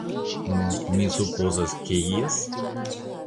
Nu, mi supozas ke jes?